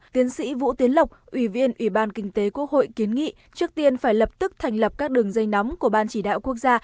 tiến sĩ vũ tiến lộc ủy viên ủy ban kinh tế quốc hội kiến nghị trước tiên phải lập tức thành lập các đường dây nóng của ban chỉ đạo quốc gia